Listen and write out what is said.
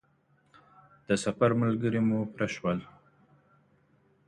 د سفر ملګري مو پوره شول.